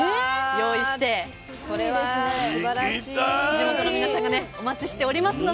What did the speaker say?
地元の皆さんがお待ちしておりますので。